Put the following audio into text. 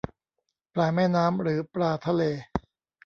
ปลาแม่น้ำหรือปลาทะเล